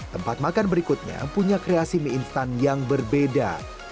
tempat makan berikutnya punya kreasi mie instan yang berbeda